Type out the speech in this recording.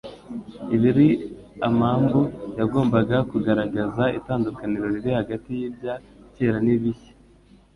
Ibiri amambu, yagombaga kugaragaza itandukaniro riri hagati y'ibya Kera n'ibishya.